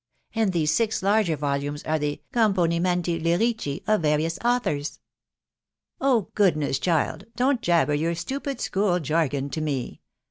. and these six larger volumes are the e componimenti lirici ' of various author" ^ Oh goodness,, child !.•.. don't jabber your stupid school jargon to me.